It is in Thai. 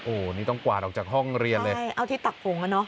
โอ้โหนี่ต้องกวาดออกจากห้องเรียนเลยใช่เอาที่ตักผงอ่ะเนอ